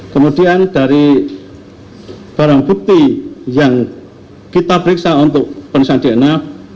kemudian dari barang bukti yang kita periksa untuk pemeriksaan dna